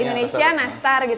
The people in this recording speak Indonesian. indonesia nastar gitu